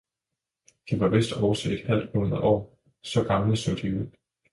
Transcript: de var vist også et halvt hundrede år, så gamle så de ud.